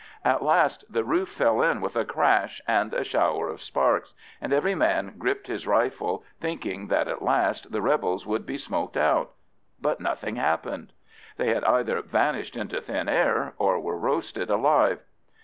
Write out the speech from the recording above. At last the roof fell in with a crash and shower of sparks, and every man gripped his rifle, thinking that at last the rebels would be smoked out; but nothing happened. They had either vanished into thin air or were roasted alive.